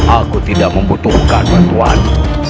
aku tidak membutuhkan bantuan